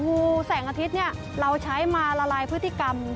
งูแสงอาทิตย์เนี่ยเราใช้มาละลายพฤติกรรม